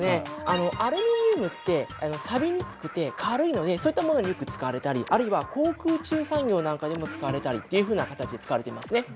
あのアルミニウムってさびにくくて軽いのでそういったものによく使われたりあるいは航空宇宙産業なんかでも使われたりっていうふうな形で使われてますね。